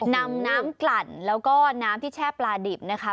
นำน้ำกลั่นแล้วก็น้ำที่แช่ปลาดิบนะคะ